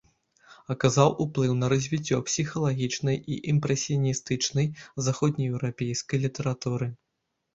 Аказаў ўплыў на развіццё псіхалагічнай і імпрэсіяністычнай заходнееўрапейскай літаратуры.